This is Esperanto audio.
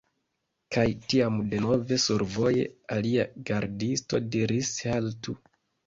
Kaj tiam denove, survoje alia gardisto diris: "Haltu